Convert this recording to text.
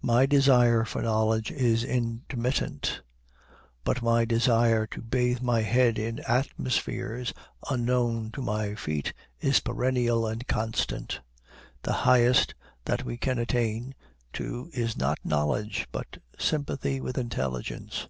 My desire for knowledge is intermittent; but my desire to bathe my head in atmospheres unknown to my feet is perennial and constant. The highest that we can attain to is not Knowledge, but Sympathy with Intelligence.